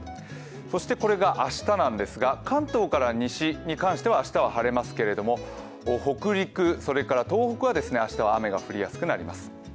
そしてこれが明日なんですが関東から西に関しては明日は晴れますけれども、北陸、それから東北は明日は雨が降りやすくなります。